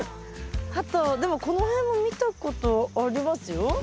あとでもこの辺も見たことありますよ。